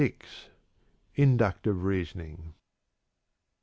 Inductive Reasoning.